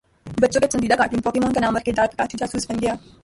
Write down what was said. بچوں کے پسندیدہ کارٹون پوکیمون کا نامور کردار پکاچو جاسوس بن گیا